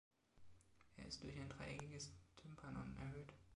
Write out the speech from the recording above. Er ist durch ein dreieckiges Tympanon erhöht.